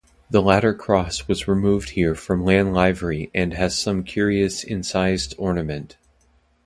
The latter cross was removed here from Lanlivery and has some curious incised ornament.